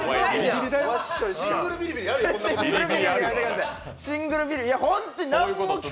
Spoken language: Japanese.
シングルビリビリだぞ。